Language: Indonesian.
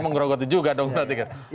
menggerogoti juga dong berarti kan